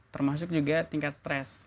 termasuk juga tingkat stres